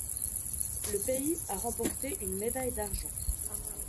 Le pays a remporté une médaille d'argent.